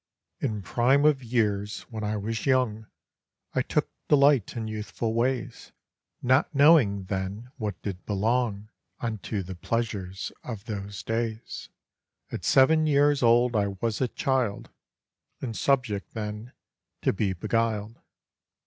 ] IN prime of years, when I was young, I took delight in youthful ways, Not knowing then what did belong Unto the pleasures of those days. At seven years old I was a child, And subject then to be beguiled.